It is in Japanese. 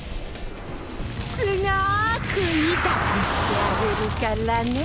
すごく痛くしてあげるからね。